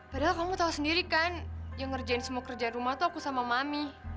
padahal kamu tahu sendiri kan yang ngerjain semua kerja rumah tuh aku sama mami